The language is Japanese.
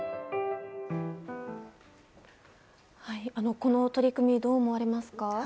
この取り組みどう思われますか？